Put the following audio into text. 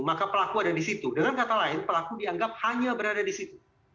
maka pelaku ada di situ dengan kata lain pelaku dianggap hanya berada di situ